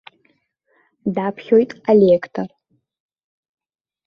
Даԥхьоит алеқтор.